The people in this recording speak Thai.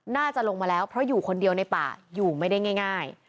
น่าจะลงมาแล้วเพราะอยู่คนเดียวในป่าอยู่ไม่ได้ง่าย